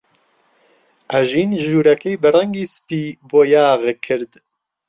ئەژین ژوورەکەی بە ڕەنگی سپی بۆیاغ کرد.